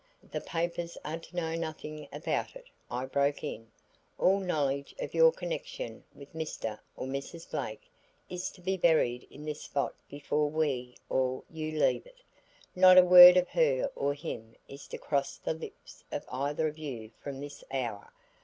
"The papers are to know nothing about it," I broke in. "All knowledge of your connection with Mr. or Mrs. Blake is to be buried in this spot before we or you leave it. Not a word of her or him is to cross the lips of either of you from this hour.